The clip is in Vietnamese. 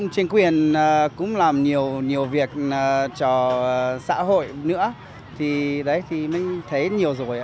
trên quyền cũng làm nhiều việc cho xã hội nữa mình thấy nhiều rồi